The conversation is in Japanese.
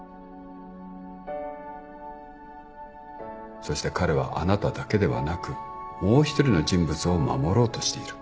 そして彼はあなただけではなくもう一人の人物を守ろうとしている。